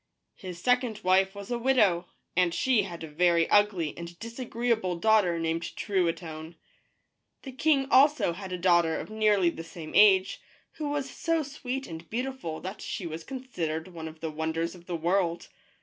His second wife was a widow, and she had a very ugly and disagreeable daughter named Trui tonne. The king also had a daughter of nearly the same age, who was so sweet and beautiful that she was considered one of the wonders of the world.